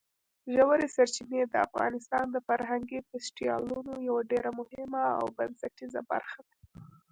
ژورې سرچینې د افغانستان د فرهنګي فستیوالونو یوه ډېره مهمه او بنسټیزه برخه ده.